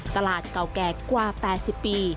ตลาดเก่าแก่กว่า๘๐ปี